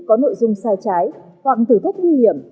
có nội dung sai trái hoặc thử thách nguy hiểm